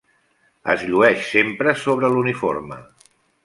Es llueix sempre sobre l'uniforme.